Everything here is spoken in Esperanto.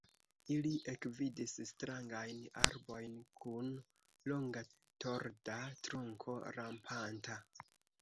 Ili ekvidis strangajn arbojn kun longa torda trunko rampanta.